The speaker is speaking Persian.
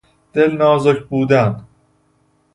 دلنازک بودن